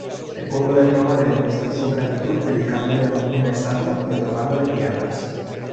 El pueblo de Roma le demostró su gratitud dedicándole una estatua y otorgándole tierras.